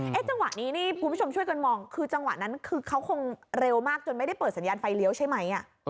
จังหวะนี้นี่คุณผู้ชมช่วยกันมองคือจังหวะนั้นคือเขาคงเร็วมากจนไม่ได้เปิดสัญญาณไฟเลี้ยวใช่ไหม